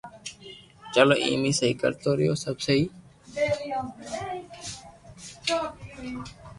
چلو ايم اي ڪرتو رھيو سب سھي